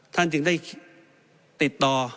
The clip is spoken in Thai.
ท่านจึงได้ติดต่อ